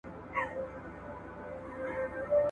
د زامنو به مي څیري کړي نسونه ..